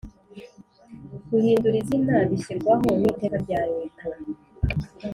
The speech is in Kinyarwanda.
guhindura izina bishyirwaho n iteka rya leta